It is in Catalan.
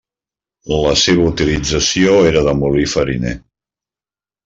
La seva utilització era de molí fariner.